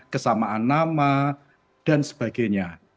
kesamaan nama dan sebagainya